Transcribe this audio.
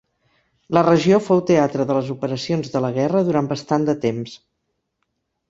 La regió fou teatre de les operacions de la guerra durant bastant de temps.